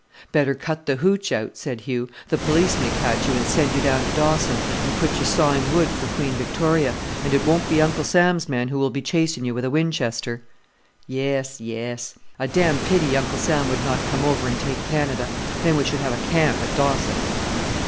"Better cut the hootch out," said Hugh. "The police may catch you and send you down to Dawson; and put you sawing wood for Queen Victoria. And it won't be Uncle Sam's men who will be chasing you with a Winchester." "Yes, yes. A damned pity Uncle Sam would not come over and take Canada: then we should have a camp at Dawson."